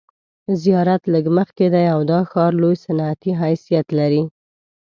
زیارت لږ مخکې دی او دا ښار لوی صنعتي حیثیت لري.